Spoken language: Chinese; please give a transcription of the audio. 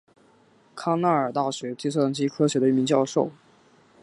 康奈尔大学计算机科学的一名教授。